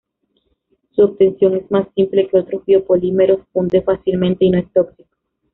Su obtención es más simple que otros biopolímeros, funde fácilmente y no es tóxico.